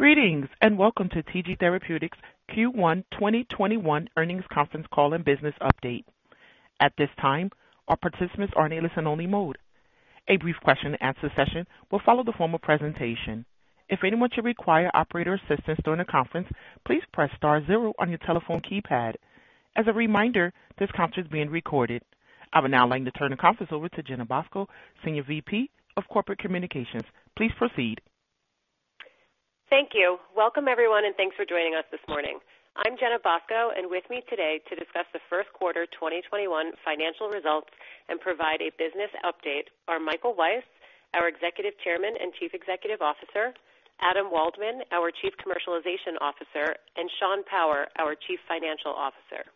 Greetings, and welcome to TG Therapeutics' Q1 2021 earnings conference call and business update. At this time, all participants are in a listen-only mode. A brief question and answer session will follow the formal presentation. If anyone should require operator assistance during the conference, please press star zero on your telephone keypad. As a reminder, this conference is being recorded. I would now like to turn the conference over to Jenna Bosco, Senior VP of Corporate Communications. Please proceed. Thank you. Welcome everyone, and thanks for joining us this morning. I'm Jenna Bosco, and with me today to discuss the first quarter 2021 financial results and provide a business update are Michael Weiss, our Executive Chairman and Chief Executive Officer; Adam Waldman, our Chief Commercialization Officer; and Sean Power, our Chief Financial Officer.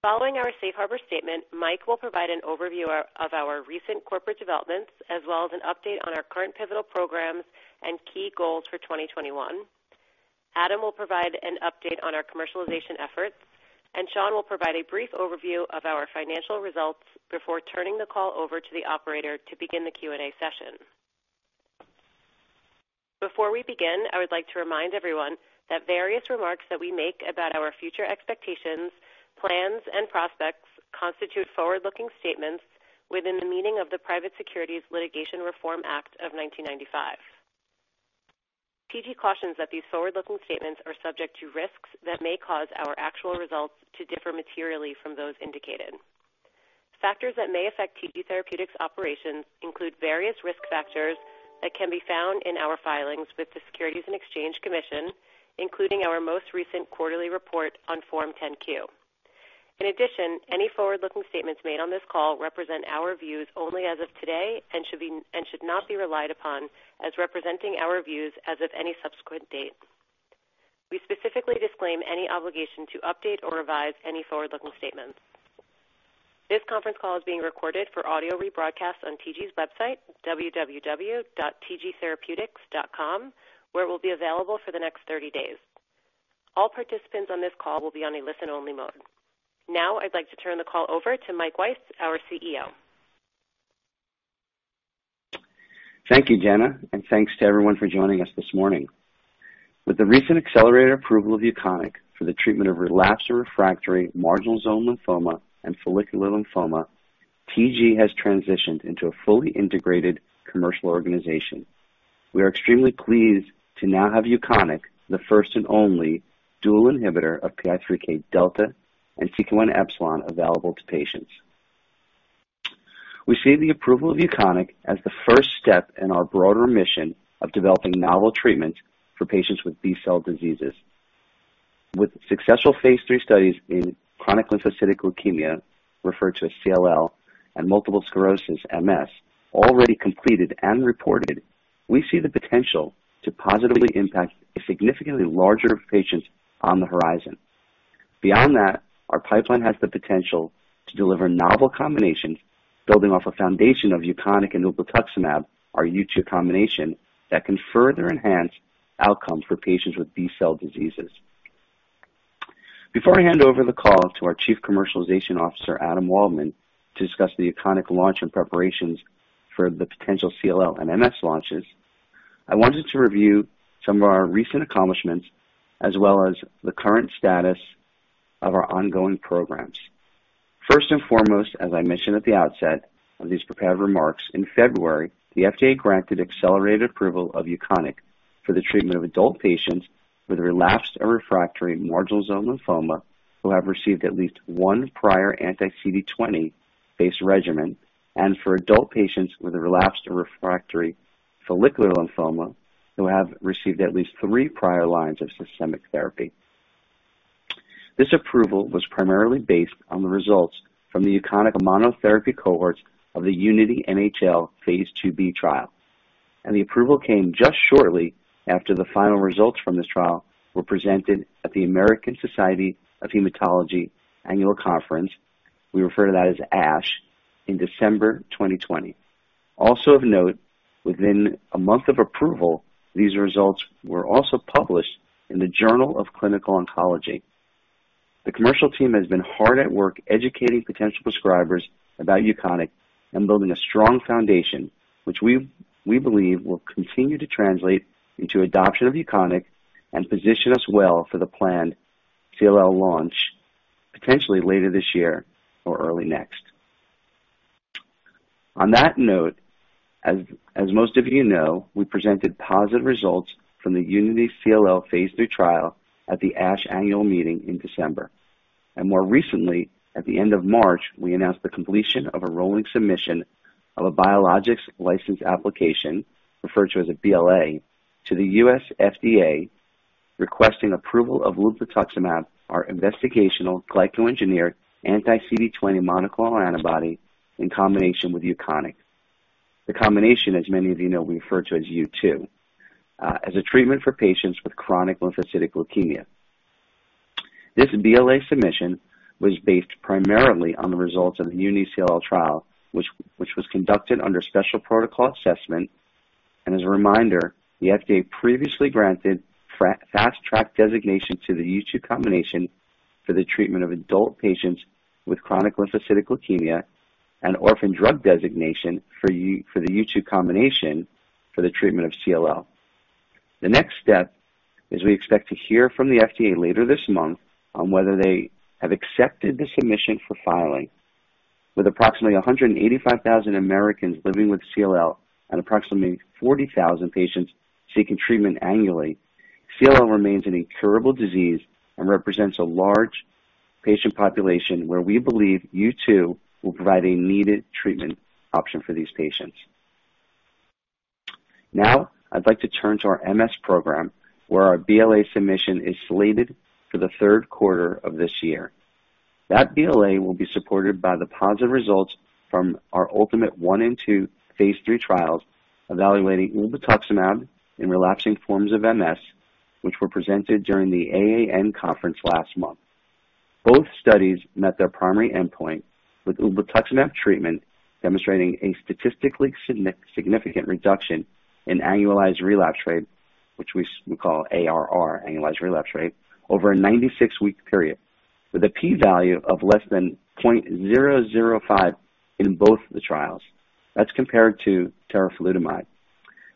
Following our safe harbor statement, Mike will provide an overview of our recent corporate developments as well as an update on our current pivotal programs and key goals for 2021. Adam will provide an update on our commercialization efforts, and Sean will provide a brief overview of our financial results before turning the call over to the operator to begin the Q&A session. Before we begin, I would like to remind everyone that various remarks that we make about our future expectations, plans, and prospects constitute forward-looking statements within the meaning of the Private Securities Litigation Reform Act of 1995. TG cautions that these forward-looking statements are subject to risks that may cause our actual results to differ materially from those indicated. Factors that may affect TG Therapeutics' operations include various risk factors that can be found in our filings with the Securities and Exchange Commission, including our most recent quarterly report on Form 10-Q. In addition, any forward-looking statements made on this call represent our views only as of today and should not be relied upon as representing our views as of any subsequent date. We specifically disclaim any obligation to update or revise any forward-looking statements. This conference call is being recorded for audio rebroadcast on TG's website, www.tgtherapeutics.com, where it will be available for the next 30 days. All participants on this call will be on a listen-only mode. Now I'd like to turn the call over to Mike Weiss, our CEO. Thank you, Jenna, thanks to everyone for joining us this morning. With the recent accelerated approval of UKONIQ for the treatment of relapsed or refractory marginal zone lymphoma and follicular lymphoma, TG has transitioned into a fully integrated commercial organization. We are extremely pleased to now have UKONIQ, the first and only dual inhibitor of PI3K-delta and CK1-epsilon, available to patients. We see the approval of UKONIQ as the first step in our broader mission of developing novel treatments for patients with B-cell diseases. With successful phase III studies in chronic lymphocytic leukemia, referred to as CLL, and multiple sclerosis, MS, already completed and reported, we see the potential to positively impact a significantly larger patient on the horizon. Beyond that, our pipeline has the potential to deliver novel combinations, building off a foundation of UKONIQ and ublituximab, our U2 combination, that can further enhance outcomes for patients with B-cell diseases. Before I hand over the call to our Chief Commercialization Officer, Adam Waldman, to discuss the UKONIQ launch and preparations for the potential CLL and MS launches, I wanted to review some of our recent accomplishments as well as the current status of our ongoing programs. First foremost, as I mentioned at the outset of these prepared remarks, in February, the FDA granted accelerated approval of UKONIQ for the treatment of adult patients with relapsed or refractory marginal zone lymphoma who have received at least one prior anti-CD20-based regimen, and for adult patients with relapsed or refractory follicular lymphoma who have received at least three prior lines of systemic therapy. This approval was primarily based on the results from the UKONIQ monotherapy cohorts of the UNITY-NHL Phase IIb trial. The approval came just shortly after the final results from this trial were presented at the American Society of Hematology Annual Conference, we refer to that as ASH, in December 2020. Of note, within a month of approval, these results were also published in the Journal of Clinical Oncology. The commercial team has been hard at work educating potential prescribers about UKONIQ and building a strong foundation, which we believe will continue to translate into adoption of UKONIQ and position us well for the planned CLL launch, potentially later this year or early next. On that note, as most of you know, we presented positive results from the UNITY-CLL Phase III trial at the ASH annual meeting in December, and more recently, at the end of March, we announced the completion of a rolling submission of a biologics license application, referred to as a BLA, to the U.S. FDA, requesting approval of obinutuzumab, our investigational glycoengineered anti-CD20 monoclonal antibody, in combination with UKONIQ. The combination, as many of you know, we refer to as U2, as a treatment for patients with chronic lymphocytic leukemia. This BLA submission was based primarily on the results of the UNITY-CLL trial, which was conducted under special protocol assessment, and as a reminder, the FDA previously granted Fast Track designation to the U2 combination for the treatment of adult patients with chronic lymphocytic leukemia. An orphan drug designation for the U2 combination for the treatment of CLL. The next step is we expect to hear from the FDA later this month on whether they have accepted the submission for filing. With approximately 185,000 Americans living with CLL and approximately 40,000 patients seeking treatment annually, CLL remains an incurable disease and represents a large patient population where we believe U2 will provide a needed treatment option for these patients. Now I'd like to turn to our MS program, where our BLA submission is slated for the third quarter of this year. That BLA will be supported by the positive results from our ULTIMATE I and II Phase III trials evaluating ublituximab in relapsing forms of MS, which were presented during the AAN conference last month. Both studies met their primary endpoint, with ublituximab treatment demonstrating a statistically significant reduction in annualized relapse rate, which we call ARR, annualized relapse rate, over a 96-week period with a p-value of less than 0.005 in both of the trials. That's compared to teriflunomide.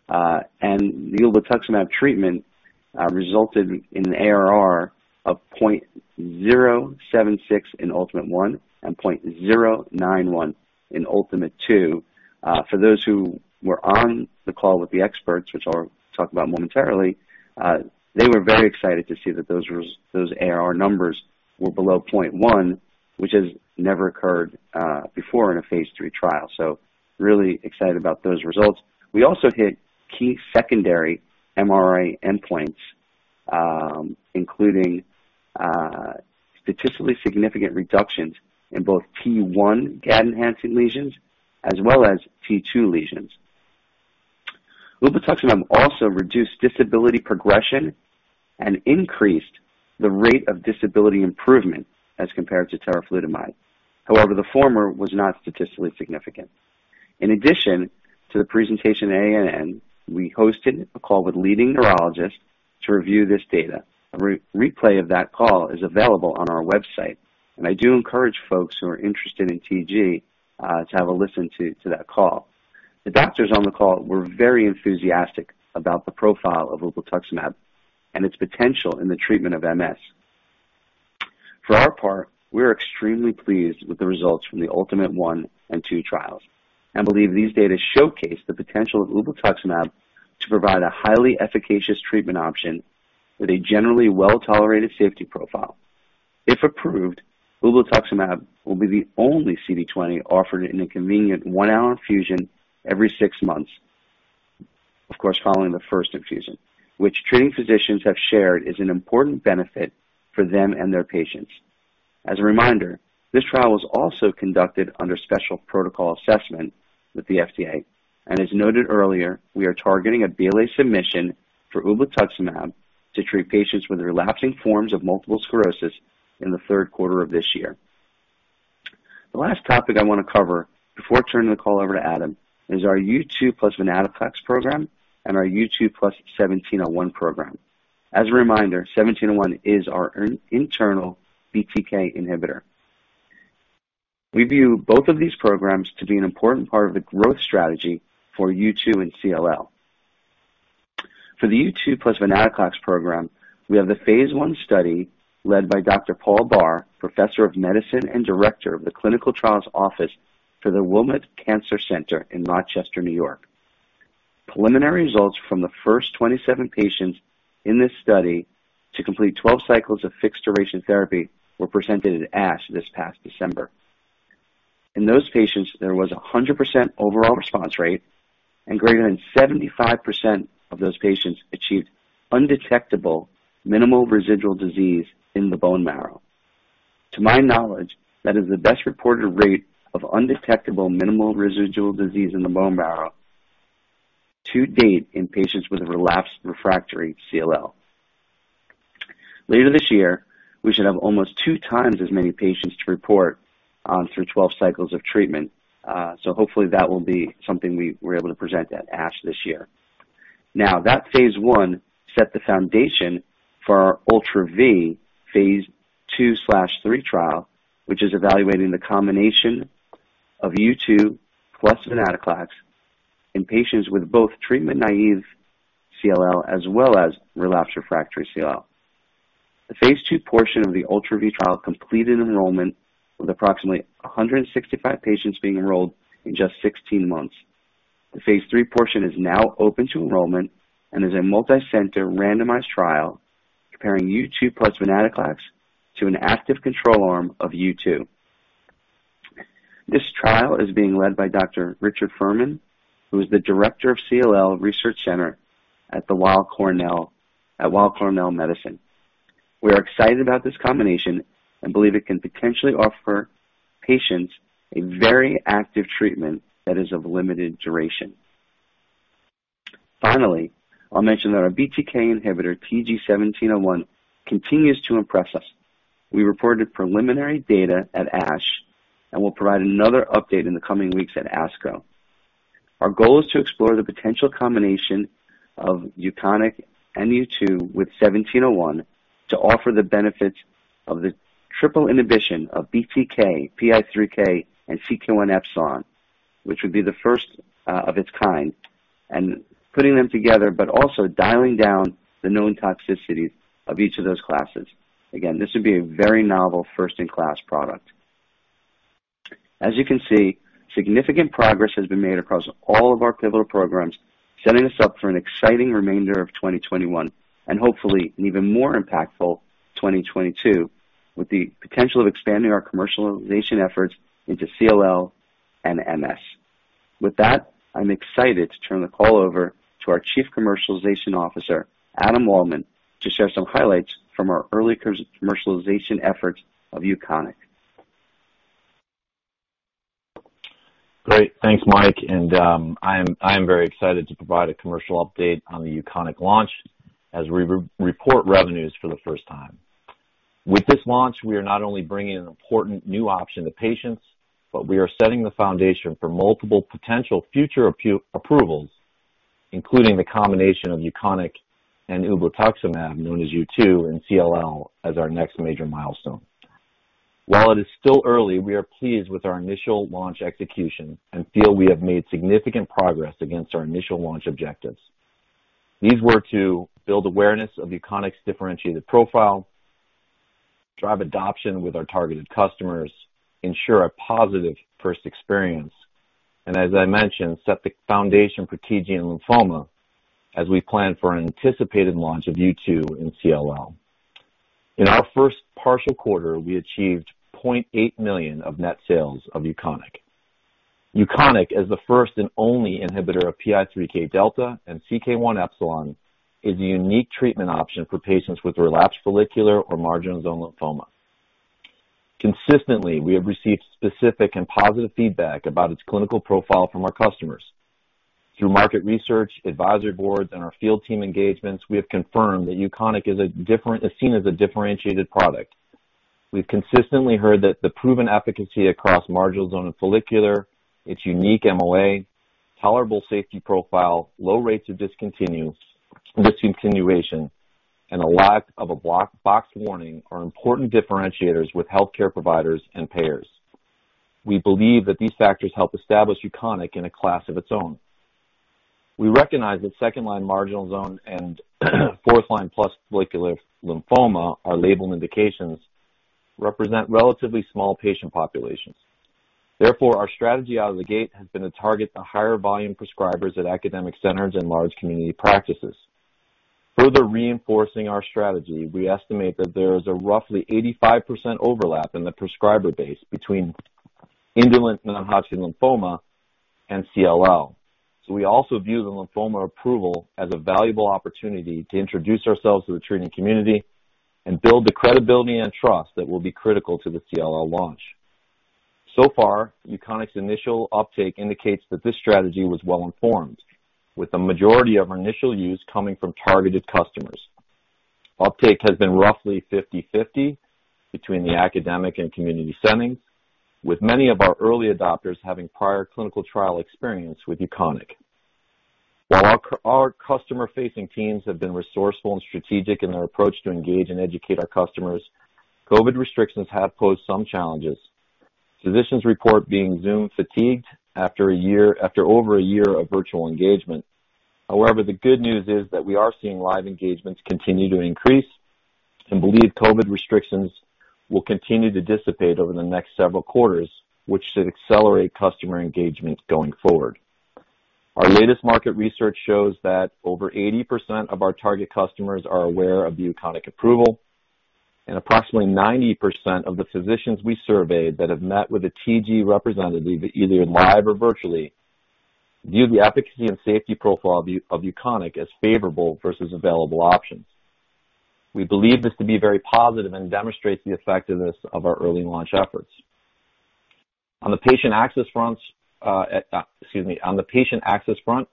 The ublituximab treatment resulted in an ARR of 0.076 in ULTIMATE-1 and 0.091 in ULTIMATE-2. For those who were on the call with the experts, which I'll talk about momentarily, they were very excited to see that those ARR numbers were below 0.1, which has never occurred before in a phase III trial. Really excited about those results. We also hit key secondary MRI endpoints, including statistically significant reductions in both T1 gadolinium-enhancing lesions as well as T2 lesions. Ublituximab also reduced disability progression and increased the rate of disability improvement as compared to teriflunomide. However, the former was not statistically significant. In addition to the presentation at AAN, we hosted a call with leading neurologists to review this data. A replay of that call is available on our website, and I do encourage folks who are interested in TG to have a listen to that call. The doctors on the call were very enthusiastic about the profile of ublituximab and its potential in the treatment of MS. For our part, we are extremely pleased with the results from the ULTIMATE I and II trials and believe these data showcase the potential of ublituximab to provide a highly efficacious treatment option with a generally well-tolerated safety profile. If approved, ublituximab will be the only CD20 offered in a convenient one-hour infusion every six months, of course, following the first infusion, which treating physicians have shared is an important benefit for them and their patients. As a reminder, this trial was also conducted under special protocol assessment with the FDA. As noted earlier, we are targeting a BLA submission for ublituximab to treat patients with relapsing forms of multiple sclerosis in the third quarter of this year. The last topic I want to cover before turning the call over to Adam is our U2 plus venetoclax program and our U2 plus 1701 program. As a reminder, 1701 is our internal BTK inhibitor. We view both of these programs to be an important part of the growth strategy for U2 and CLL. For the U2 plus venetoclax program, we have the Phase I study led by Dr. Paul Barr, Professor of Medicine and Director of the Clinical Trials Office for the Wilmot Cancer Institute in Rochester, N.Y. Preliminary results from the first 27 patients in this study to complete 12 cycles of fixed duration therapy were presented at ASH this past December. In those patients, there was 100% overall response rate, and greater than 75% of those patients achieved undetectable minimal residual disease in the bone marrow. To my knowledge, that is the best reported rate of undetectable minimal residual disease in the bone marrow to date in patients with relapsed/refractory CLL. Later this year, we should have almost 2x as many patients to report on through 12 cycles of treatment. Hopefully, that will be something we're able to present at ASH this year. That phase I set the foundation for our ULTRA-V phase II/III trial, which is evaluating the combination of U2 plus venetoclax in patients with both treatment-naive CLL as well as relapsed/refractory CLL. The Phase II portion of the ULTRA-V trial completed enrollment, with approximately 165 patients being enrolled in just 16 months. The Phase III portion is now open to enrollment and is a multicenter randomized trial comparing U2 plus venetoclax to an active control arm of U2. This trial is being led by Dr. Richard Furman, who is the Director of CLL Research Center at Weill Cornell Medicine. We are excited about this combination and believe it can potentially offer patients a very active treatment that is of limited duration. I'll mention that our BTK inhibitor, TG-1701, continues to impress us. We reported preliminary data at ASH and will provide another update in the coming weeks at ASCO. Our goal is to explore the potential combination of UKONIQ and U2 with TG-1701 to offer the benefits of the triple inhibition of BTK, PI3K, and CK1-epsilon, which would be the first of its kind, and putting them together, but also dialing down the known toxicities of each of those classes. Again, this would be a very novel first-in-class product. As you can see, significant progress has been made across all of our pivotal programs, setting us up for an exciting remainder of 2021 and hopefully an even more impactful 2022, with the potential of expanding our commercialization efforts into CLL and MS. I'm excited to turn the call over to our Chief Commercialization Officer, Adam Waldman, to share some highlights from our early commercialization efforts of UKONIQ. Great. Thanks, Michael Weiss. I am very excited to provide a commercial update on the UKONIQ launch as we report revenues for the first time. With this launch, we are not only bringing an important new option to patients, but we are setting the foundation for multiple potential future approvals, including the combination of UKONIQ and ublituximab, known as U2 in CLL as our next major milestone. While it is still early, we are pleased with our initial launch execution and feel we have made significant progress against our initial launch objectives. These were to build awareness of UKONIQ's differentiated profile, drive adoption with our targeted customers, ensure a positive first experience, and as I mentioned, set the foundation for TG and lymphoma as we plan for an anticipated launch of U2 in CLL. In our first partial quarter, we achieved $0.8 million of net sales of UKONIQ. UKONIQ, as the first and only inhibitor of PI3K-delta and CK1-epsilon, is a unique treatment option for patients with relapsed follicular or marginal zone lymphoma. Consistently, we have received specific and positive feedback about its clinical profile from our customers. Through market research, advisory boards, and our field team engagements, we have confirmed that UKONIQ is seen as a differentiated product. We've consistently heard that the proven efficacy across marginal zone and follicular, its unique MOA, tolerable safety profile, low rates of discontinuation, and a lack of a box warning are important differentiators with healthcare providers and payers. We believe that these factors help establish UKONIQ in a class of its own. We recognize that 2nd-line marginal zone and 4th-line plus follicular lymphoma are label indications represent relatively small patient populations. Our strategy out of the gate has been to target the higher volume prescribers at academic centers and large community practices. Further reinforcing our strategy, we estimate that there is a roughly 85% overlap in the prescriber base between indolent non-Hodgkin lymphoma and CLL. We also view the lymphoma approval as a valuable opportunity to introduce ourselves to the treating community and build the credibility and trust that will be critical to the CLL launch. So far, UKONIQ's initial uptake indicates that this strategy was well-informed, with the majority of our initial use coming from targeted customers. Uptake has been roughly 50/50 between the academic and community settings, with many of our early adopters having prior clinical trial experience with UKONIQ. While our customer-facing teams have been resourceful and strategic in their approach to engage and educate our customers, COVID restrictions have posed some challenges. Physicians report being Zoom fatigued after over a year of virtual engagement. The good news is that we are seeing live engagements continue to increase and believe COVID restrictions will continue to dissipate over the next several quarters, which should accelerate customer engagement going forward. Our latest market research shows that over 80% of our target customers are aware of the UKONIQ approval, and approximately 90% of the physicians we surveyed that have met with a TG representative, either live or virtually, view the efficacy and safety profile of UKONIQ as favorable versus available options. We believe this to be very positive and demonstrates the effectiveness of our early launch efforts. On the patient access front,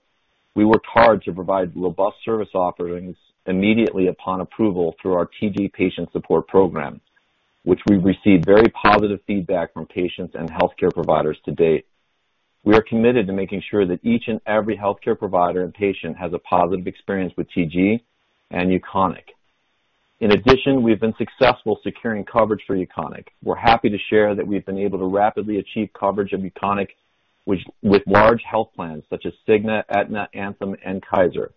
we worked hard to provide robust service offerings immediately upon approval through our TG patient support program, which we've received very positive feedback from patients and healthcare providers to date. We are committed to making sure that each and every healthcare provider and patient has a positive experience with TG and UKONIQ. We've been successful securing coverage for UKONIQ. We're happy to share that we've been able to rapidly achieve coverage of UKONIQ with large health plans such as Cigna, Aetna, Anthem, and Kaiser.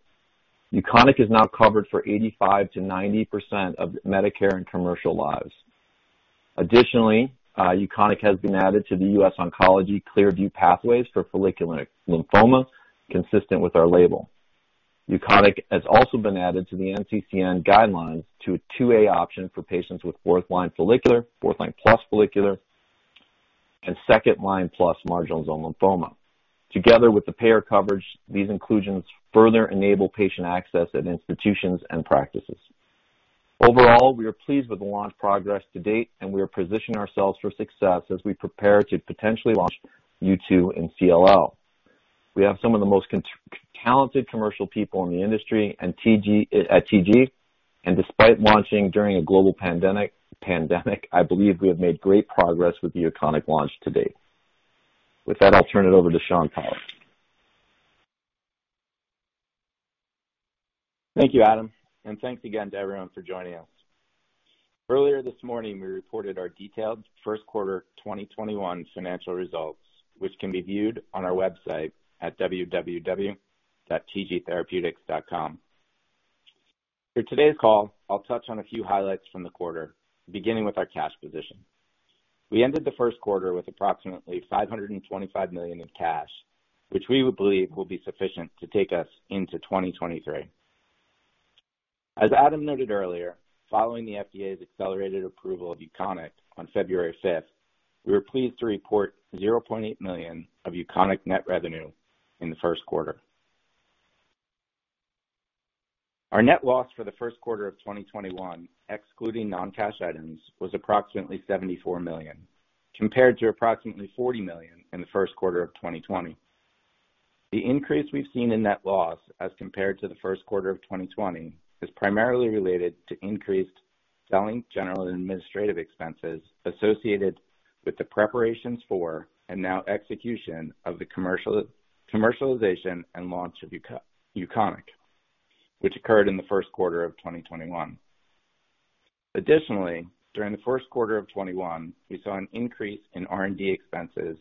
UKONIQ is now covered for 85%-90% of Medicare and commercial lives. UKONIQ has been added to the U.S. Oncology Clear Value Pathways for follicular lymphoma, consistent with our label. UKONIQ has also been added to the NCCN guidelines to a 2A option for patients with fourth-line follicular, fourth-line plus follicular, and second-line plus marginal zone lymphoma. Together with the payer coverage, these inclusions further enable patient access at institutions and practices. Overall, we are pleased with the launch progress to date, we are positioning ourselves for success as we prepare to potentially launch U2 and CLL. We have some of the most Talented commercial people in the industry at TG. Despite launching during a global pandemic, I believe we have made great progress with the UKONIQ launch to date. With that, I'll turn it over to Sean Power. Thank you, Adam, and thanks again to everyone for joining us. Earlier this morning, we reported our detailed first quarter 2021 financial results, which can be viewed on our website at www.tgtherapeutics.com. For today's call, I'll touch on a few highlights from the quarter, beginning with our cash position. We ended the first quarter with approximately $525 million in cash, which we believe will be sufficient to take us into 2023. As Adam noted earlier, following the FDA's accelerated approval of UKONIQ on February fifth, we were pleased to report $0.8 million of UKONIQ net revenue in the first quarter. Our net loss for the first quarter of 2021, excluding non-cash items, was approximately $74 million, compared to approximately $40 million in the first quarter of 2020. The increase we've seen in net loss as compared to the first quarter of 2020 is primarily related to increased selling general administrative expenses associated with the preparations for and now execution of the commercialization and launch of UKONIQ, which occurred in the first quarter of 2021. Additionally, during the first quarter of 2021, we saw an increase in R&D expenses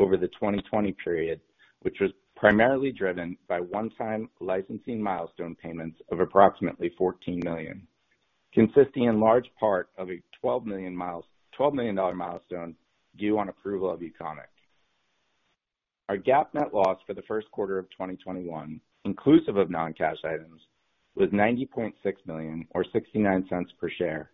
over the 2020 period, which was primarily driven by one-time licensing milestone payments of approximately $14 million, consisting in large part of a $12 million milestone due on approval of UKONIQ. Our GAAP net loss for the first quarter of 2021, inclusive of non-cash items, was $90.6 million or $0.69 per share,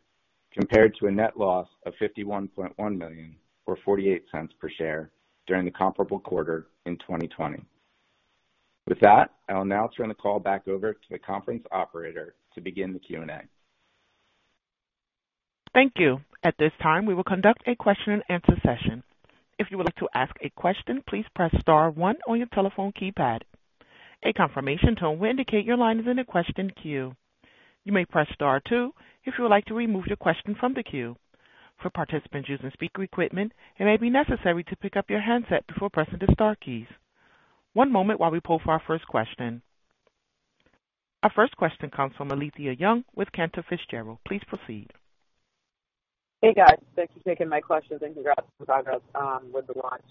compared to a net loss of $51.1 million or $0.48 per share during the comparable quarter in 2020. With that, I'll now turn the call back over to the conference operator to begin the Q&A. Thank you. At this time, we will conduct a question and answer session. If you would like to ask a question, please press star one on your telephone keypad. A confirmation tone will indicate your line is in the question queue. You may press star two if you would like to remove your question from the queue. For participants using speaker equipment, it may be necessary to pick up your handset before pressing the star keys. One moment while we poll for our first question. Our first question comes from Alethia Young with Cantor Fitzgerald. Please proceed. Hey, guys. Thank you for taking my questions and congrats on the progress with the launch.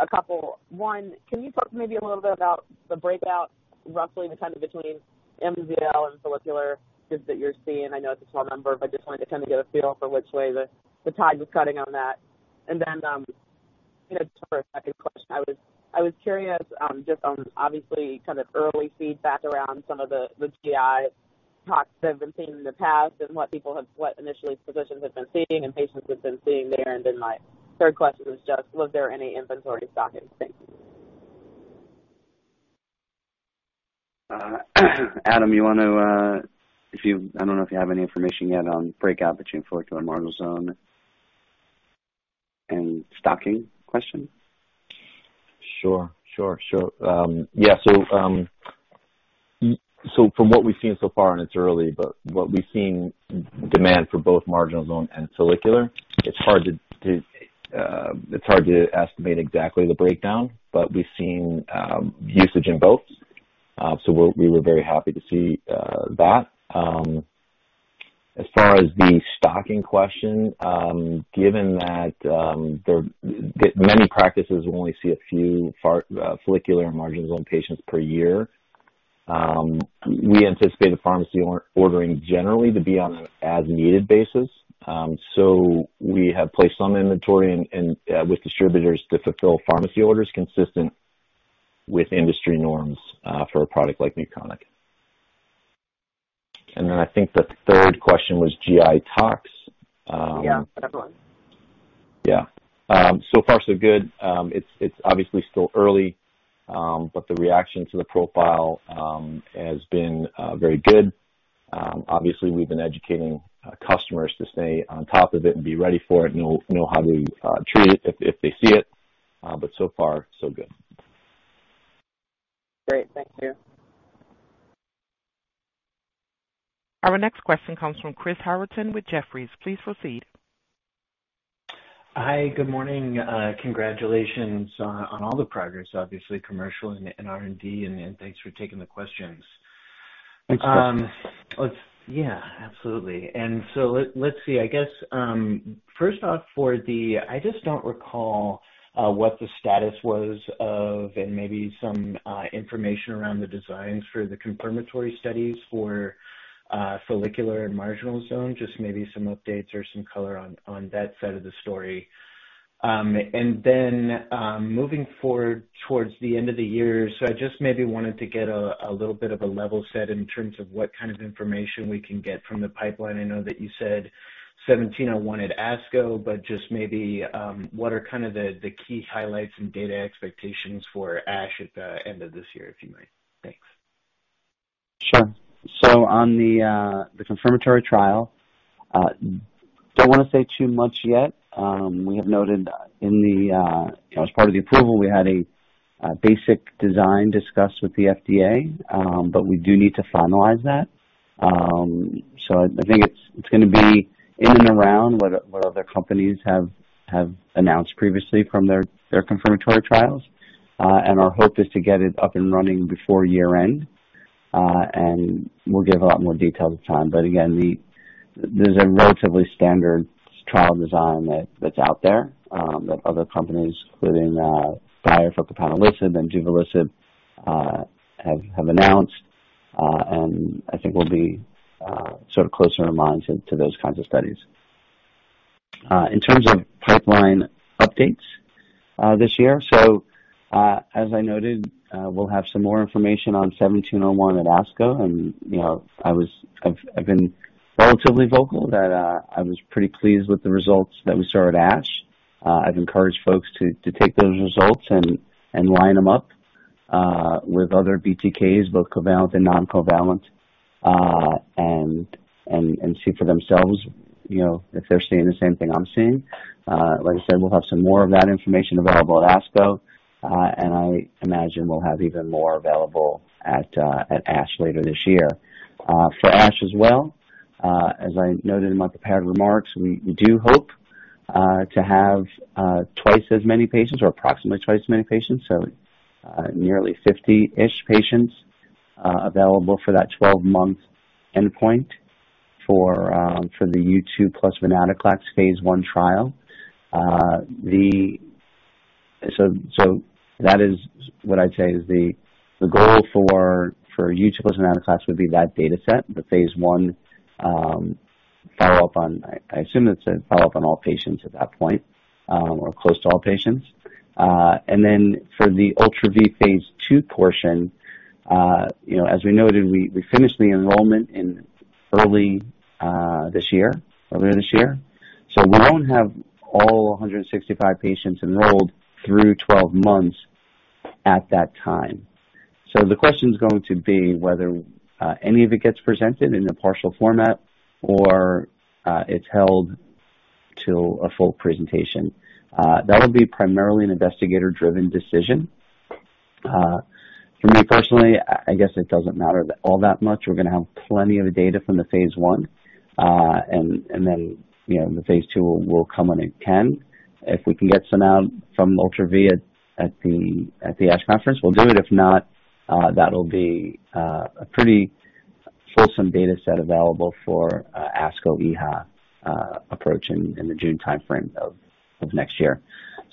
A couple. One, can you talk maybe a little bit about the breakout, roughly, the kind of between MZL and follicular cells that you're seeing? I know it's a small number, but just wanted to kind of get a feel for which way the tide was cutting on that. Just for a second question, I was curious just on, obviously, kind of early feedback around some of the gastrointestinal toxicity that have been seen in the past and what initially physicians have been seeing and patients have been seeing there? My third question was just was there any inventory stocking? Thank you. Adam, I don't know if you have any information yet on breakout between follicular and marginal zone and stock question? Sure. Yeah. From what we've seen so far, and it's early, but what we've seen demand for both marginal zone and follicular, it's hard to estimate exactly the breakdown, but we've seen usage in both. We were very happy to see that. As far as the stocking question, given that many practices only see a few follicular and marginal zone patients per year, we anticipate the pharmacy ordering generally to be on an as-needed basis. We have placed some inventory in with distributors to fulfill pharmacy orders consistent with industry norms for a product like UKONIQ. I think the third question was gastrointestinal toxicity. Yeah. Whatever one. Yeah. So far, so good. It's obviously still early, but the reaction to the profile has been very good. Obviously, we've been educating customers to stay on top of it and be ready for it and know how to treat it if they see it. So far, so good. Great. Thank you. Our next question comes from Chris Howerton with Jefferies. Please proceed. Hi. Good morning. Congratulations on all the progress, obviously, commercial and R&D. Thanks for taking the questions. Thanks, Chris. Yeah, absolutely. Let's see. I guess, first off for the I just don't recall what the status was of and maybe some information around the designs for the confirmatory studies for follicular and marginal zone. Just maybe some updates or some color on that side of the story. Moving forward towards the end of the year. I just maybe wanted to get a little bit of a level set in terms of what kind of information we can get from the pipeline. I know that you said 17-01 at ASCO, just maybe what are kind of the key highlights and data expectations for ASH at the end of this year, if you might? Thanks. Sure. On the confirmatory trial, don't want to say too much yet. We have noted, as part of the approval, we had a basic design discussed with the FDA, but we do need to finalize that. I think it's going to be in and around what other companies have announced previously from their confirmatory trials. Our hope is to get it up and running before year-end. We'll give a lot more details at the time. Again, there's a relatively standard trial design that's out there that other companies, including Bayer for copanlisib and duvelisib, have announced. I think we'll be sort of closer in mind to those kinds of studies. In terms of pipeline updates this year, as I noted, we'll have some more information on 1701 at ASCO. I've been relatively vocal that I was pretty pleased with the results that we saw at ASH. I've encouraged folks to take those results and line them up with other BTKs, both covalent and non-covalent, and see for themselves if they're seeing the same thing I'm seeing. Like I said, we'll have some more of that information available at ASCO, and I imagine we'll have even more available at ASH later this year. For ASH as well, as I noted in my prepared remarks, we do hope to have twice as many patients, or approximately twice as many patients, so nearly 50-ish patients available for that 12-month endpoint for the U2 plus venetoclax phase I trial. That is what I'd say is the goal for U2 plus venetoclax would be that data set, the phase I follow-up on, I assume it's a follow-up on all patients at that point, or close to all patients. For the ULTRA-V phase II portion, as we noted, we finished the enrollment in early this year. We won't have all 165 patients enrolled through 12 months at that time. The question is going to be whether any of it gets presented in a partial format or it's held till a full presentation. That would be primarily an investigator-driven decision. For me personally, I guess it doesn't matter all that much. We're going to have plenty of data from the phase I, and then the phase II will come when it can. If we can get some out from ULTRA-V at the ASH conference, we'll do it. If not, that'll be a pretty fulsome data set available for ASCO EHA approach in the June timeframe of next year.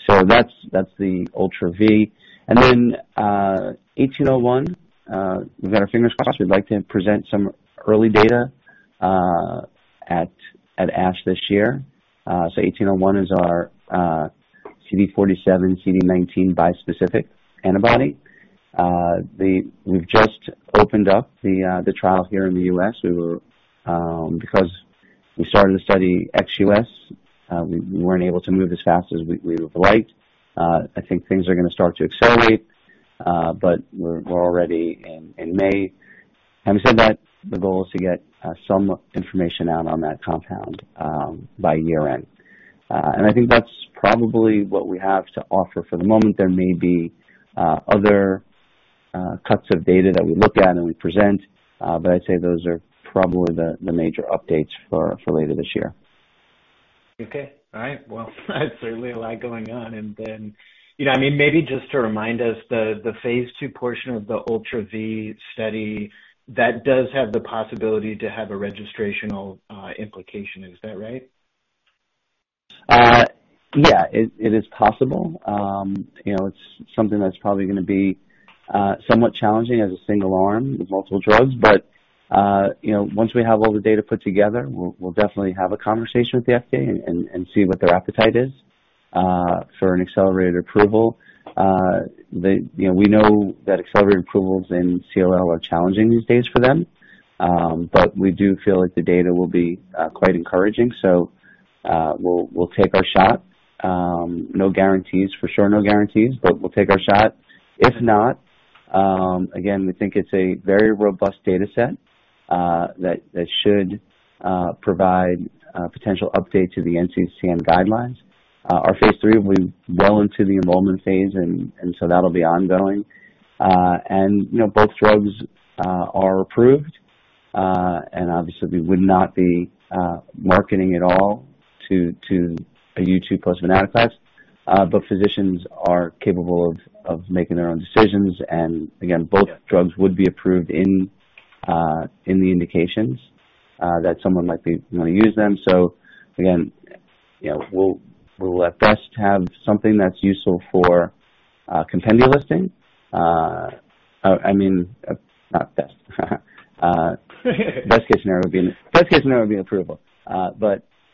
That's the ULTRA-V. TG-1801, we've got our fingers crossed. We'd like to present some early data at ASH this year. TG-1801 is our CD47/CD19 bispecific antibody. We've just opened up the trial here in the U.S. Because we started the study ex-U.S., we weren't able to move as fast as we would've liked. I think things are going to start to accelerate, we're already in May. Having said that, the goal is to get some information out on that compound by year-end. I think that's probably what we have to offer for the moment. There may be other cuts of data that we look at and we present, I'd say those are probably the major updates for later this year. Okay. All right. Well, that's certainly a lot going on. Maybe just to remind us, the phase II portion of the ULTRA-V study, that does have the possibility to have a registrational implication. Is that right? Yeah, it is possible. It's something that's probably going to be somewhat challenging as a single arm with multiple drugs. Once we have all the data put together, we'll definitely have a conversation with the FDA and see what their appetite is for an accelerated approval. We know that accelerated approvals in CLL are challenging these days for them, we do feel like the data will be quite encouraging. We'll take our shot. No guarantees, for sure no guarantees, we'll take our shot. If not, again, we think it's a very robust data set that should provide a potential update to the NCCN guidelines. Our phase III, we're well into the enrollment phase, that'll be ongoing. Both drugs are approved, and obviously we would not be marketing at all to a U2 plus venetoclax, physicians are capable of making their own decisions. Again, both drugs would be approved in the indications that someone might be going to use them. Again, we'll at best have something that's useful for compendia listing. I mean, not best. Best case scenario would be an approval.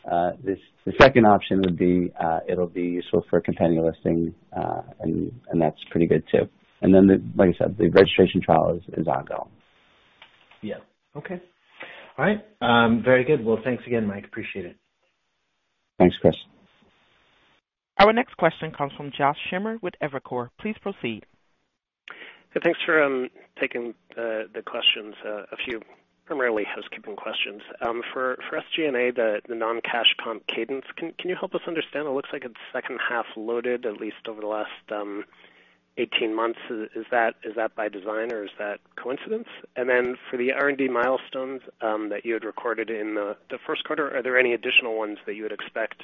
The second option would be it'll be useful for compendia listing. That's pretty good, too. Then, like I said, the registration trial is ongoing. Yeah. Okay. All right. Very good. Well, thanks again, Mike. Appreciate it. Thanks, Chris. Our next question comes from Josh Schimmer with Evercore. Please proceed. Thanks for taking the questions. A few primarily housekeeping questions. For SG&A, the non-cash comp cadence, can you help us understand? It looks like it's second half loaded, at least over the last 18 months. Is that by design or is that coincidence? For the R&D milestones that you had recorded in the first quarter, are there any additional ones that you would expect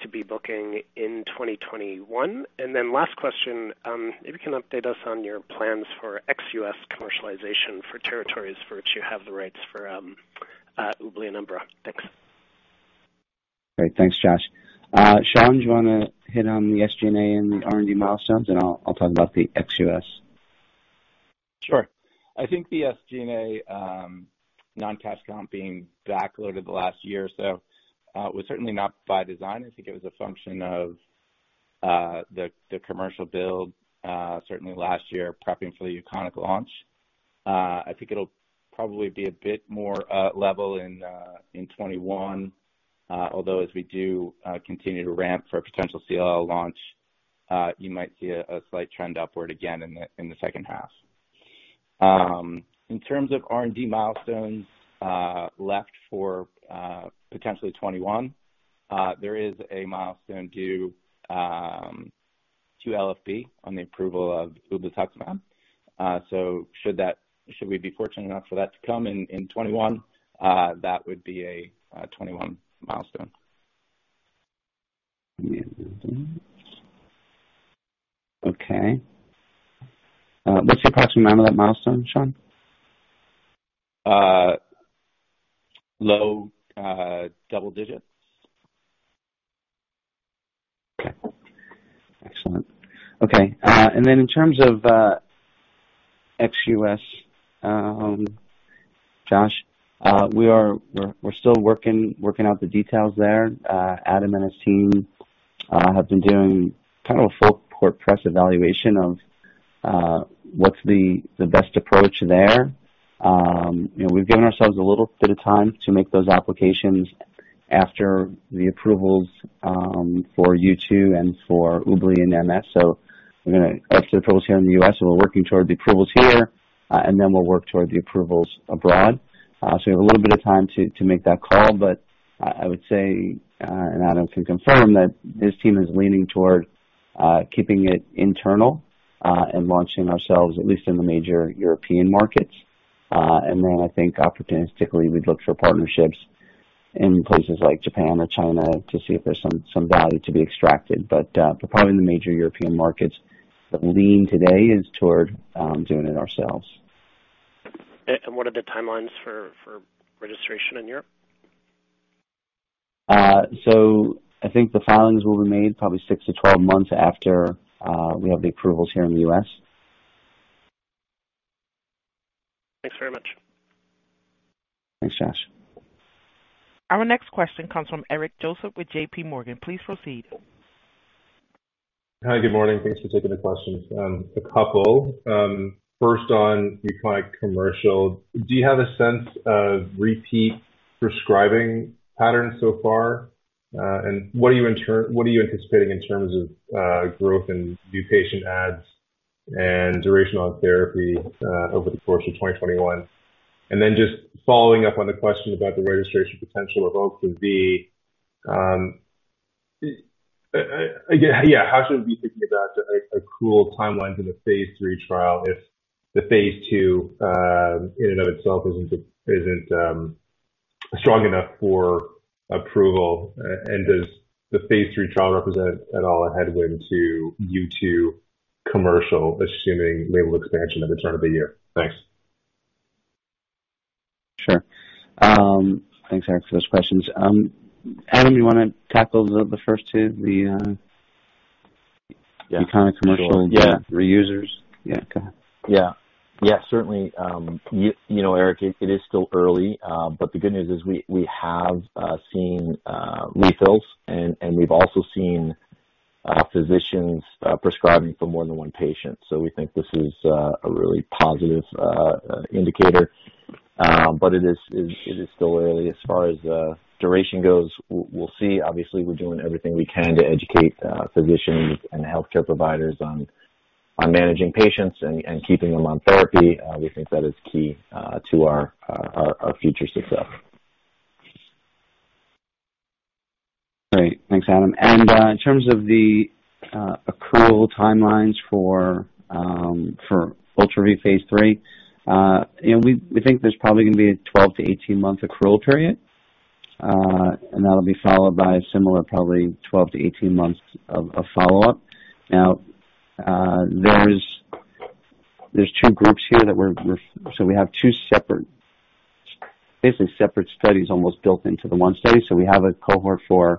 to be booking in 2021? Last question, if you can update us on your plans for ex-U.S. commercialization for territories for which you have the rights for UBLI and Umbra. Thanks. Great. Thanks, Josh. Sean, do you want to hit on the SG&A and the R&D milestones, and I'll talk about the ex-U.S. Sure. I think the SG&A non-cash comp being backloaded the last year or so was certainly not by design. I think it was a function of the commercial build certainly last year prepping for the UKONIQ launch. I think it'll probably be a bit more level in 2021. As we do continue to ramp for a potential CLL launch, you might see a slight trend upward again in the second half. In terms of R&D milestones left for potentially 2021, there is a milestone due to LFB on the approval of ublituximab. Should we be fortunate enough for that to come in 2021, that would be a 2021 milestone. Okay. What's your approximate amount of that milestone, Sean? Low double-digits. Okay. Excellent. Okay. In terms of ex-U.S., Josh, we're still working out the details there. Adam and his team have been doing a full court press evaluation of what's the best approach there. We've given ourselves a little bit of time to make those applications after the approvals for U2 and for UBLI and MS. After the approvals here in the U.S., we're working toward the approvals here. Then we'll work toward the approvals abroad. We have a little bit of time to make that call, but I would say, and Adam can confirm, that his team is leaning toward keeping it internal and launching ourselves at least in the major European markets. I think opportunistically, we'd look for partnerships in places like Japan or China to see if there's some value to be extracted. Probably in the major European markets, the lean today is toward doing it ourselves. What are the timelines for registration in Europe? I think the filings will be made probably 6 to 12 months after we have the approvals here in the U.S. Thanks very much. Thanks, Josh. Our next question comes from Eric Joseph with JPMorgan. Please proceed. Hi, good morning. Thanks for taking the questions. A couple. First on UKONIQ commercial, do you have a sense of repeat prescribing patterns so far? What are you anticipating in terms of growth in new patient adds and duration on therapy over the course of 2021? Then just following up on the question about the registration potential of ULTRA-V. How should we be thinking about accrual timelines in a phase III trial if the phase II in and of itself isn't strong enough for approval? Does the phase III trial represent at all a headwind to U2 commercial, assuming label expansion at the turn of the year? Thanks. Sure. Thanks, Eric, for those questions. Adam, you want to tackle the first two? Yeah. Reusers? Yeah, go ahead. Yeah. Certainly. Eric, it is still early, but the good news is we have seen refills and we've also seen physicians prescribing for more than one patient. We think this is a really positive indicator. It is still early. As far as duration goes, we'll see. Obviously, we're doing everything we can to educate physicians and healthcare providers on managing patients and keeping them on therapy. We think that is key to our future success. Great. Thanks, Adam. In terms of the accrual timelines for ULTRA-V phase III, we think there's probably going to be a 12-18 month accrual period. That'll be followed by a similar probably 12-18 months of follow-up. Now, there's two groups here. We have two basically separate studies almost built into the one study. We have a cohort for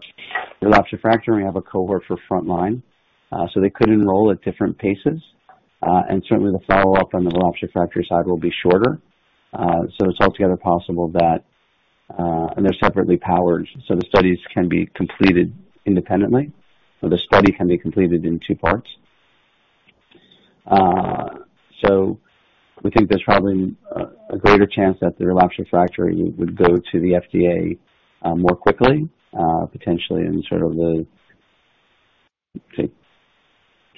relapsed or refractory, and we have a cohort for frontline. They could enroll at different paces. Certainly the follow-up on the relapsed or refractory side will be shorter. It's altogether possible that and they're separately powered, so the studies can be completed independently, or the study can be completed in two parts. We think there's probably a greater chance that the relapsed/refractory would go to the FDA more quickly, potentially in the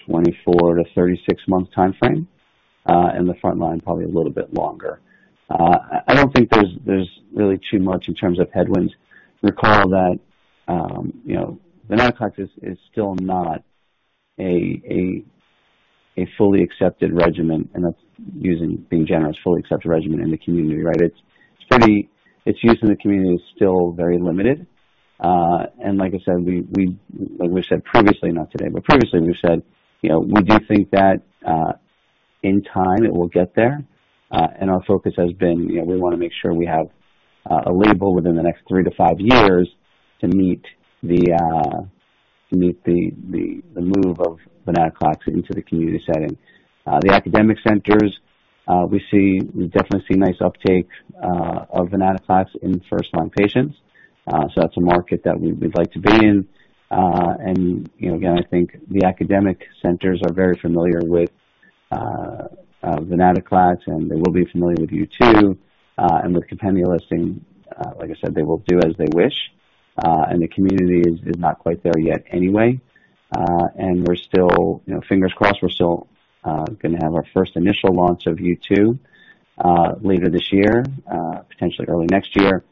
24-36 month timeframe, and the frontline probably a little bit longer. I don't think there's really too much in terms of headwinds. Recall that venetoclax is still not a fully accepted regimen, and that's being generous, fully accepted regimen in the community, right? Its use in the community is still very limited. Like I said, we said previously, not today, but previously we've said, we do think that in time it will get there. Our focus has been, we want to make sure we have a label within the next three to five years to meet the move of venetoclax into the community setting. The academic centers, we definitely see nice uptake of venetoclax in first-line patients. That's a market that we'd like to be in. Again, I think the academic centers are very familiar with venetoclax, and they will be familiar with U2, and with compendial listing. Like I said, they will do as they wish. The community is not quite there yet anyway. We're still, fingers crossed, we're still going to have our first initial launch of U2 later this year, potentially early next year.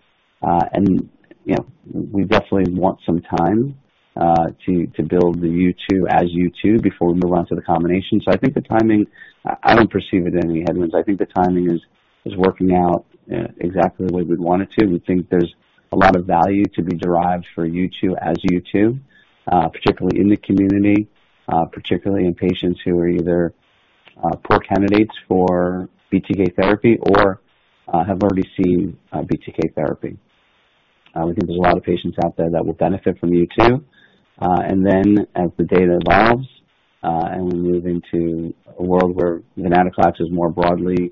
We definitely want some time to build the U2 as U2 before we move on to the combination. I think the timing, I don't perceive it as any headwinds. I think the timing is working out exactly the way we'd want it to. We think there's a lot of value to be derived for U2 as U2, particularly in the community, particularly in patients who are either poor candidates for BTK therapy or have already seen BTK therapy. We think there's a lot of patients out there that will benefit from U2. As the data evolves, and we move into a world where venetoclax is more broadly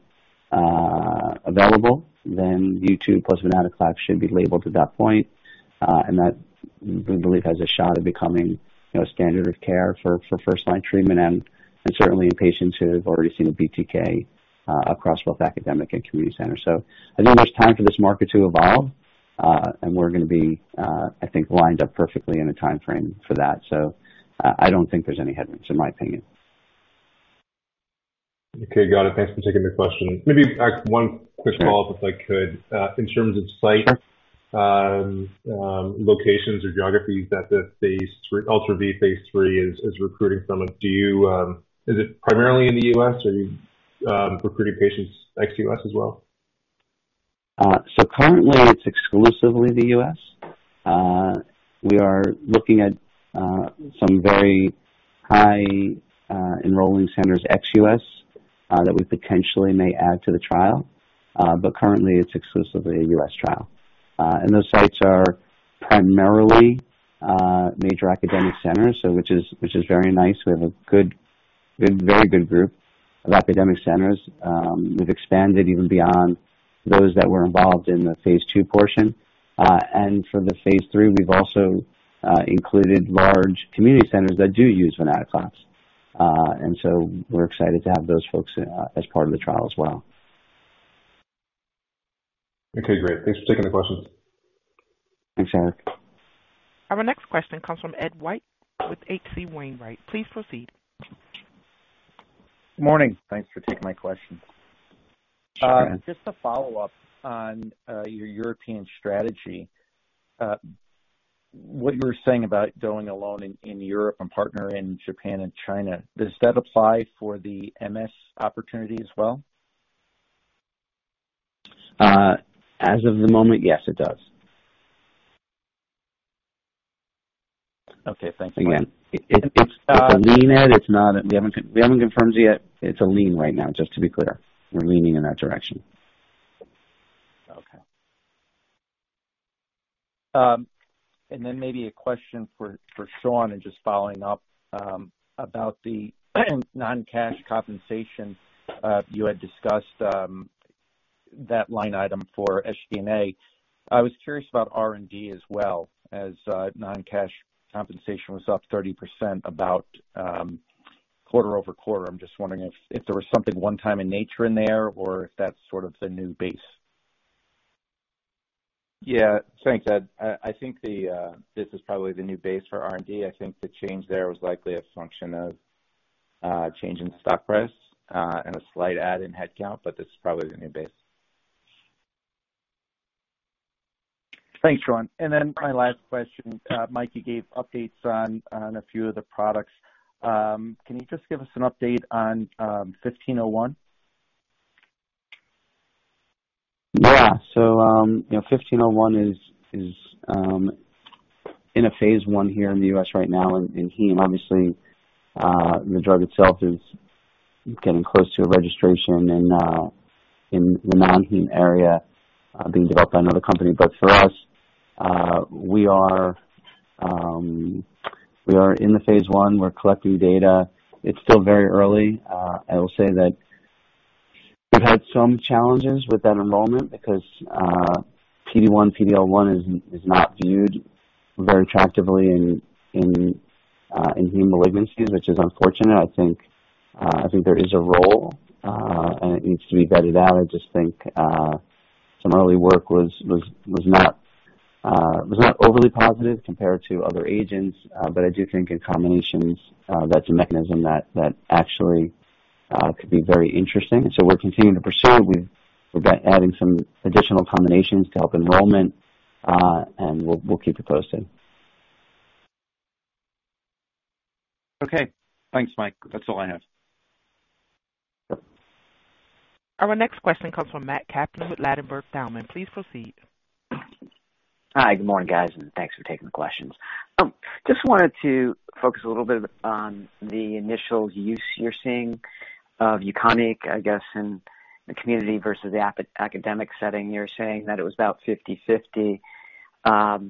available, then U2 plus venetoclax should be labeled at that point. That, we believe, has a shot at becoming a standard of care for first-line treatment and certainly in patients who have already seen a BTK across both academic and community centers. I think there's time for this market to evolve, and we're going to be, I think, lined up perfectly in a timeframe for that. I don't think there's any headwinds, in my opinion. Okay. Got it. Thanks for taking the question. Maybe one quick follow-up, if I could. In terms of site locations or geographies that the ULTRA-V phase III is recruiting from, is it primarily in the U.S., or are you recruiting patients ex-U.S. as well? Currently it's exclusively the U.S. We are looking at some very high enrolling centers ex-U.S. that we potentially may add to the trial. Currently it's exclusively a U.S. trial. Those sites are primarily major academic centers, which is very nice. We have a very good group of academic centers. We've expanded even beyond those that were involved in the phase II portion. For the phase III, we've also included large community centers that do use venetoclax. We're excited to have those folks as part of the trial as well. Okay, great. Thanks for taking the question. Thanks, Eric. Our next question comes from Ed White with H.C. Wainwright. Please proceed. Morning. Thanks for taking my question. Sure. Just a follow-up on your European strategy. What you were saying about going alone in Europe and partner in Japan and China, does that apply for the MS opportunity as well? As of the moment, yes, it does. Okay. Thanks. Again, it's a lean, Ed. We haven't confirmed yet. It's a lean right now, just to be clear. We're leaning in that direction. Okay. Maybe a question for Sean and just following up about the non-cash compensation. You had discussed that line item for SG&A. I was curious about R&D as well, as non-cash compensation was up 30% about quarter-over-quarter. I'm just wondering if there was something one time in nature in there or if that's sort of the new base. Thanks, Ed. I think this is probably the new base for R&D. I think the change there was likely a function of change in stock price and a slight add in headcount, but this is probably the new base. Thanks, Sean. My last question. Mike, you gave updates on a few of the products. Can you just give us an update on 15-01? Yeah. TG-1501 is in a phase I here in the U.S. right now in heme, obviously. The drug itself is getting close to a registration in the non-heme area, being developed by another company. For us, we are in the phase I. We're collecting data. It's still very early. I will say that. We've had some challenges with that enrollment because PD-1, PD-L1 is not viewed very attractively in human malignancies, which is unfortunate. I think there is a role, and it needs to be vetted out. I just think some early work was not overly positive compared to other agents. I do think in combinations, that's a mechanism that actually could be very interesting. We're continuing to pursue. We've got adding some additional combinations to help enrollment, and we'll keep you posted. Okay. Thanks, Mike. That's all I have. Our next question comes from Matt Kaplan with Ladenburg Thalmann. Please proceed. Hi. Good morning, guys, and thanks for taking the questions. Just wanted to focus a little bit on the initial use you're seeing of UKONIQ, I guess, in the community versus the academic setting. You're saying that it was about 50/50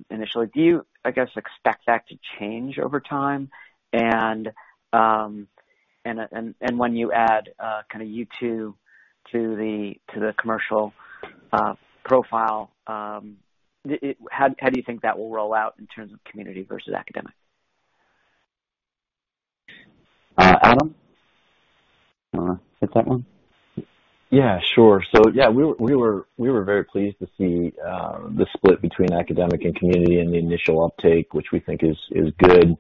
initially. Do you, I guess, expect that to change over time? When you add kind of U2 to the commercial profile, how do you think that will roll out in terms of community versus academic? Adam, want to take that one? Yeah, sure. We were very pleased to see the split between academic and community in the initial uptake, which we think is good.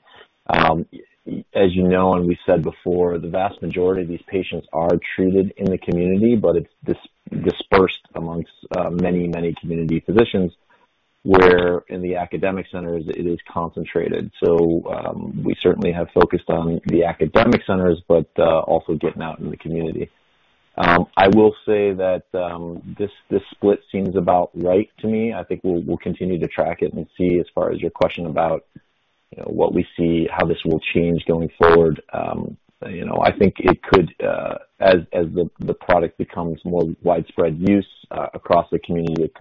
As you know, and we said before, the vast majority of these patients are treated in the community, but it's dispersed amongst many community physicians, where in the academic centers it is concentrated. We certainly have focused on the academic centers, but also getting out in the community. I will say that this split seems about right to me. I think we'll continue to track it and see as far as your question about what we see, how this will change going forward. I think it could, as the product becomes more widespread use across the community, it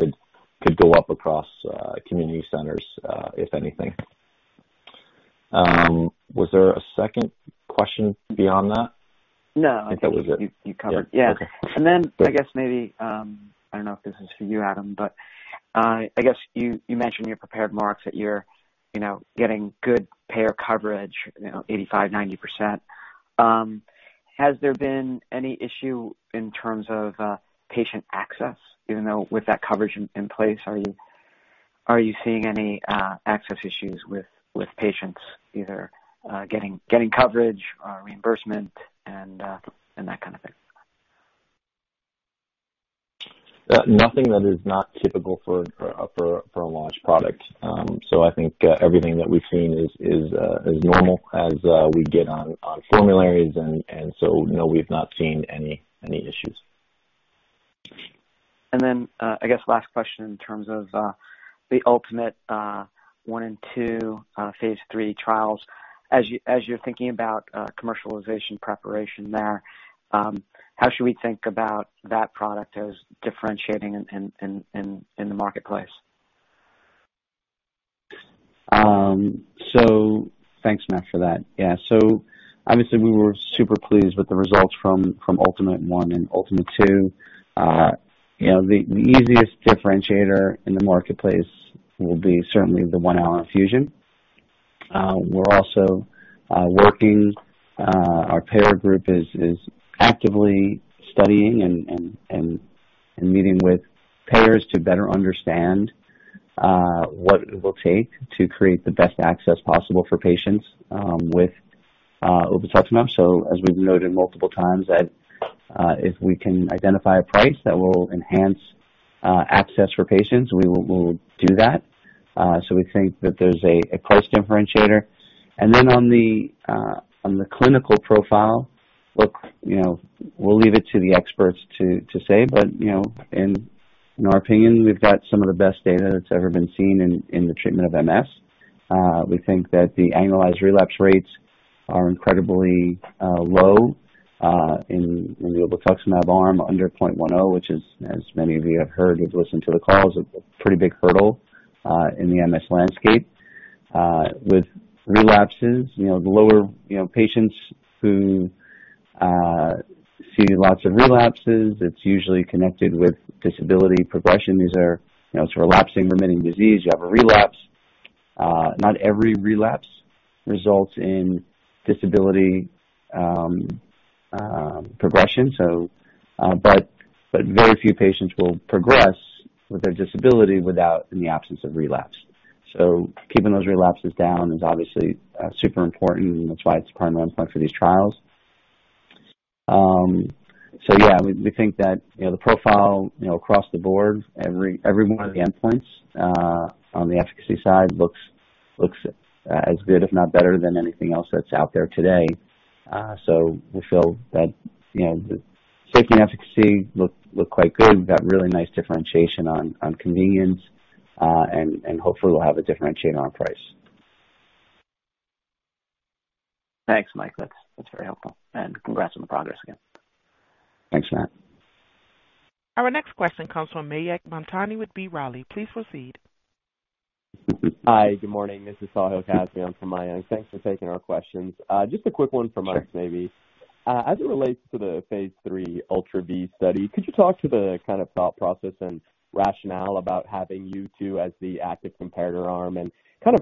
could go up across community centers, if anything. Was there a second question beyond that? No. I think that was it. You covered it. Yeah. Okay. I guess maybe, I don't know if this is for you, Adam, I guess you mentioned in your prepared remarks that you're getting good payer coverage, 85%, 90%. Has there been any issue in terms of patient access, even though with that coverage in place? Are you seeing any access issues with patients either getting coverage or reimbursement and that kind of thing? Nothing that is not typical for a launch product. I think everything that we've seen is normal as we get on formularies. No, we've not seen any issues. I guess last question in terms of the ULTIMATE I and II phase III trials. As you're thinking about commercialization preparation there, how should we think about that product as differentiating in the marketplace? Thanks, Matt, for that. Yeah. Obviously, we were super pleased with the results from ULTIMATE I and ULTIMATE II. The easiest differentiator in the marketplace will be certainly the one-hour infusion. We're also working, our payer group is actively studying and meeting with payers to better understand what it will take to create the best access possible for patients with ublituximab. As we've noted multiple times that if we can identify a price that will enhance access for patients, we will do that. We think that there's a close differentiator. On the clinical profile, look, we'll leave it to the experts to say, but in our opinion, we've got some of the best data that's ever been seen in the treatment of MS. We think that the annualized relapse rates are incredibly low in the ublituximab arm under 0.10, which is, as many of you have heard, you've listened to the calls, a pretty big hurdle in the MS landscape. With relapses, patients who see lots of relapses, it's usually connected with disability progression. It's a relapsing, remitting disease. You have a relapse. Not every relapse results in disability progression. Very few patients will progress with their disability without, in the absence of relapse. Keeping those relapses down is obviously super important, and that's why it's a primary endpoint for these trials. Yeah, we think that the profile across the board, every one of the endpoints on the efficacy side looks as good, if not better than anything else that's out there today. We feel that the safety and efficacy look quite good. We've got really nice differentiation on convenience, and hopefully we'll have a differentiator on price. Thanks, Mike. That's very helpful. Congrats on the progress again. Thanks, Matt. Our next question comes from Mayank Mamtani with B. Riley. Please proceed. Hi, good morning. This is Tazeen for Mayank. Thanks for taking our questions. A quick one for Mike, maybe. As it relates to the phase III ULTRA-V study, could you talk to the thought process and rationale about having U2 as the active comparator arm, and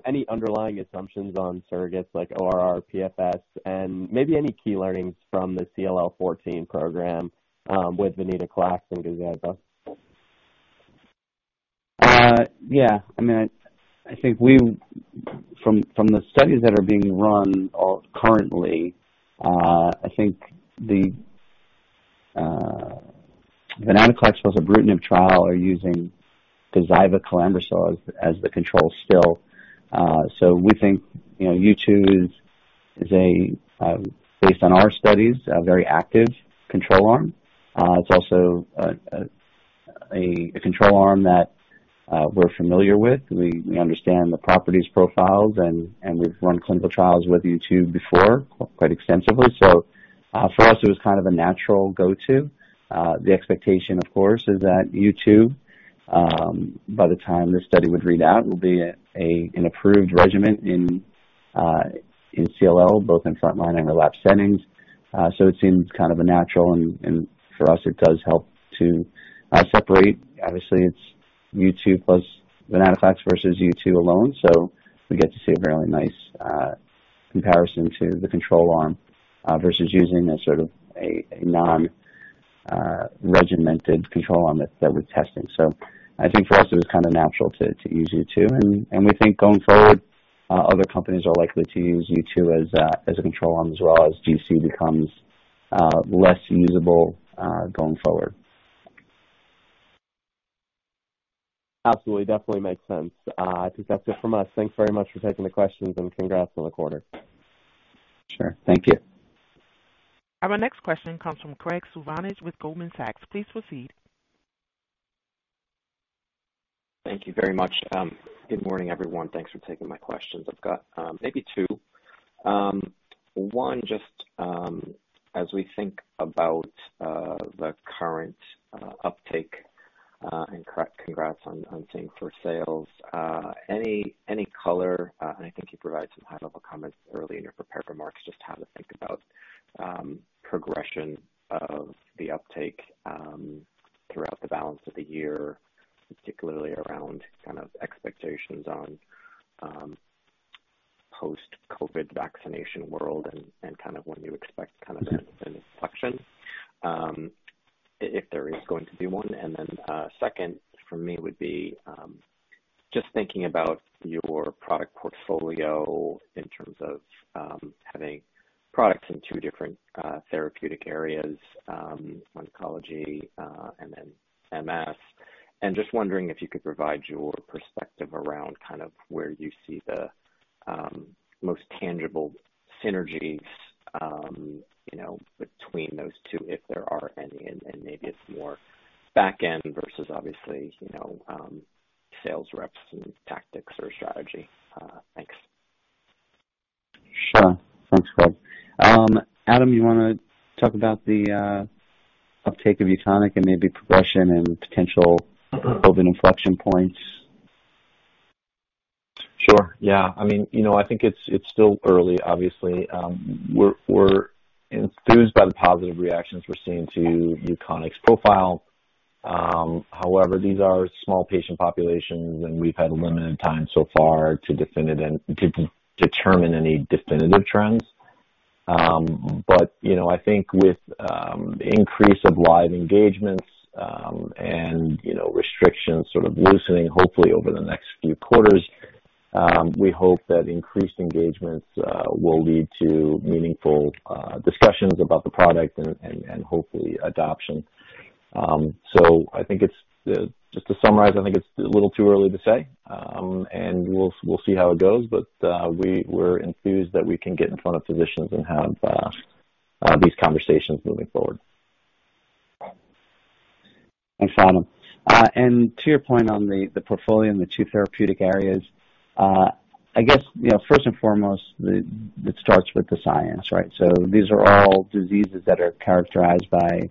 any underlying assumptions on surrogates like ORR, PFS, and maybe any key learnings from the CLL 14 program, with venetoclax and Gazyva? Yeah. I think from the studies that are being run currently, I think the venetoclax plus ibrutinib trial are using Gazyva chlorambucil as the control still. We think, U2 is a, based on our studies, a very active control arm. It's also a control arm that we're familiar with. We understand the properties profiles, and we've run clinical trials with U2 before, quite extensively. For us, it was kind of a natural go-to. The expectation, of course, is that U2, by the time this study would read out, will be an approved regimen in CLL, both in frontline and relapsed settings. It seems kind of a natural, and for us, it does help to separate. Obviously, it's U2 plus venetoclax versus U2 alone, we get to see a very nice comparison to the control arm versus using a non-regimented control arm that we're testing. I think for us, it was kind of natural to use U2, and we think going forward, other companies are likely to use U2 as a control arm as well, as GC becomes less usable going forward. Absolutely. Definitely makes sense. I think that's it from us. Thanks very much for taking the questions, and congrats on the quarter. Sure. Thank you. Our next question comes from Graig Suvannavejh with Goldman Sachs. Please proceed. Thank you very much. Good morning, everyone. Thanks for taking my questions. I've got maybe two. One, just as we think about the current uptake, and congrats on TG's sales. Any color, and I think you provided some high-level comments early in your prepared remarks, just how to think about progression of the uptake throughout the balance of the year, particularly around expectations on post-COVID vaccination world and when you expect that inflection. If there is going to be one. Then second for me would be, just thinking about your product portfolio in terms of having products in two different therapeutic areas, oncology, and then MS, and just wondering if you could provide your perspective around where you see the most tangible synergies between those two, if there are any, and maybe it's more back end versus obviously, sales reps and tactics or strategy. Thanks. Sure. Thanks, Graig. Adam, you want to talk about the uptake of UKONIQ and maybe progression and potential COVID inflection points? Sure. Yeah. I think it's still early, obviously. We're enthused by the positive reactions we're seeing to UKONIQ's profile. These are small patient populations, and we've had limited time so far to determine any definitive trends. I think with the increase of live engagements, and restrictions sort of loosening, hopefully over the next few quarters, we hope that increased engagements will lead to meaningful discussions about the product and hopefully adoption. Just to summarize, I think it's a little too early to say. We'll see how it goes, but, we're enthused that we can get in front of physicians and have these conversations moving forward. Thanks, Adam. To your point on the portfolio and the two therapeutic areas, I guess, first and foremost, it starts with the science, right? These are all diseases that are characterized by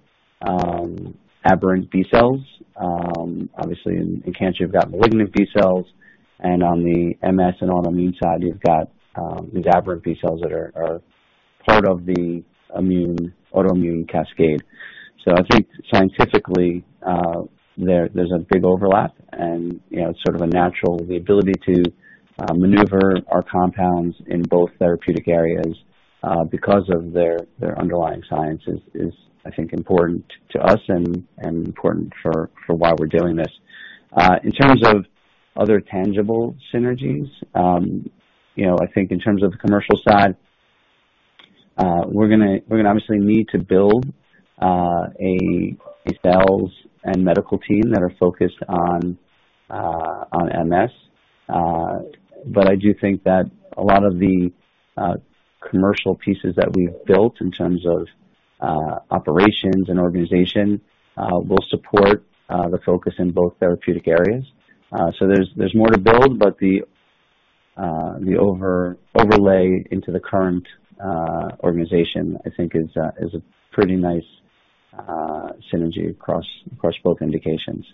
aberrant B cells. Obviously, in cancer, you've got malignant B cells, and on the MS and autoimmune side, you've got these aberrant B cells that are part of the autoimmune cascade. I think scientifically, there's a big overlap, and it's sort of a natural. The ability to maneuver our compounds in both therapeutic areas because of their underlying science is, I think, important to us and important for why we're doing this. In terms of other tangible synergies, I think in terms of the commercial side, we're going to obviously need to build a sales and medical team that are focused on MS. I do think that a lot of the commercial pieces that we've built in terms of operations and organization will support the focus in both therapeutic areas. There's more to build, but the overlay into the current organization, I think is a pretty nice synergy across both indications.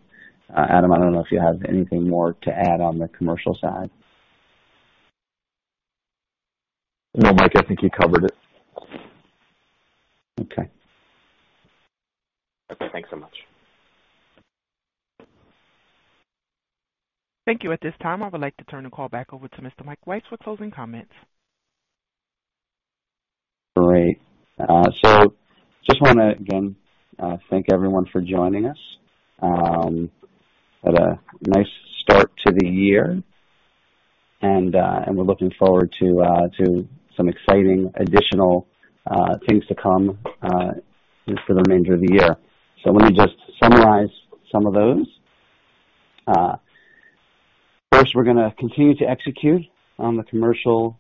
Adam, I don't know if you have anything more to add on the commercial side. No, Mike, I think you covered it. Okay. Okay, thanks so much. Thank you. At this time, I would like to turn the call back over to Mr. Mike Weiss for closing comments. Great. Just want to, again, thank everyone for joining us. Had a nice start to the year and we're looking forward to some exciting additional things to come for the remainder of the year. Let me just summarize some of those. First, we're going to continue to execute on the commercialization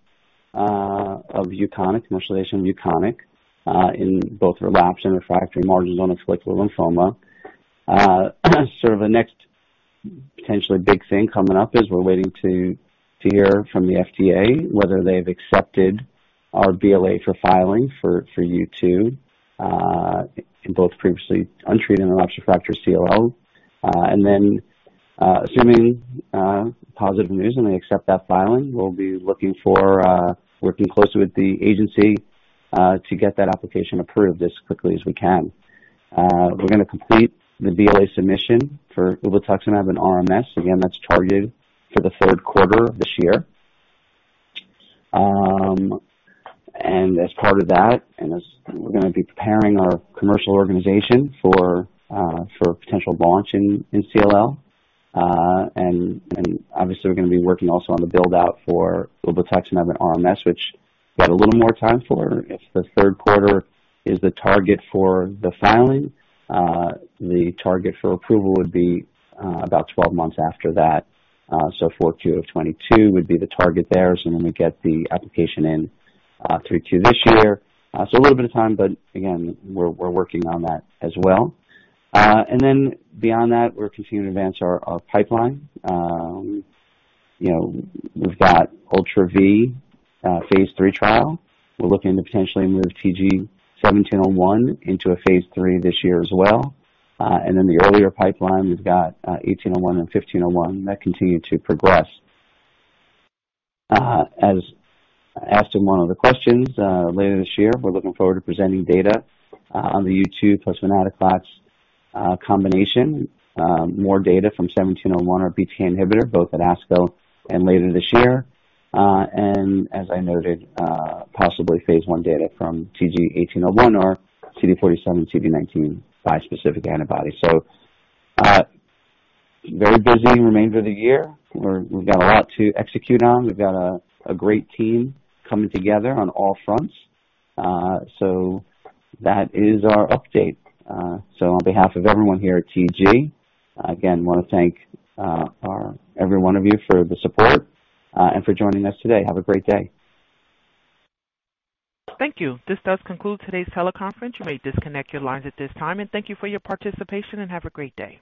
of UKONIQ, in both relapsed and refractory marginal zone lymphoma. Sort of a next potentially big thing coming up is we're waiting to hear from the FDA whether they've accepted our BLA for filing for U2, in both previously untreated and relapsed/refractory CLL. Then assuming positive news and they accept that filing, we'll be looking for working closely with the agency to get that application approved as quickly as we can. We're going to complete the BLA submission for ublituximab and RMS. Again, that's targeted for the third quarter of this year. As part of that, as we're going to be preparing our commercial organization for potential launch in CLL. Obviously we're going to be working also on the build-out for ublituximab and RMS, which we've got a little more time for. If the third quarter is the target for the filing, the target for approval would be about 12 months after that. 4Q of 2022 would be the target there, assuming we get the application in 3Q this year. A little bit of time, but again, we're working on that as well. Beyond that, we're continuing to advance our pipeline. We've got ULTRA-V phase III trial. We're looking to potentially move TG-1701 into a phase III this year as well. In the earlier pipeline, we've got TG-1801 and TG-1501, that continue to progress. As asked in one of the questions, later this year, we're looking forward to presenting data on the U2 plus venetoclax combination, more data from TG-1701, our BTK inhibitor, both at ASCO and later this year. As I noted, possibly phase I data from TG-1801, our CD47/CD19 bispecific antibody. Very busy remainder of the year. We've got a lot to execute on. We've got a great team coming together on all fronts. That is our update. On behalf of everyone here at TG, again, we want to thank every one of you for the support, and for joining us today. Have a great day. Thank you. This does conclude today's teleconference. You may disconnect your lines at this time. Thank you for your participation, and have a great day.